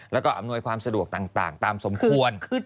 แล้วก็อำนวยความสะดวกต่างตามสมควร